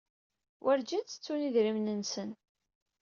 Werjin ttettun idrimen-nsen.